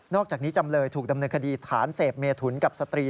อกจากนี้จำเลยถูกดำเนินคดีฐานเสพเมถุนกับสตรี